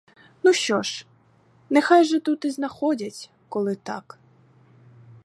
Ну що ж, нехай же тут і знаходять, коли так.